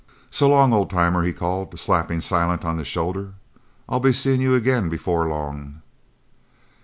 "So long, old timer," he called, slapping Silent on the shoulder, "I'll be seein' you agin before long."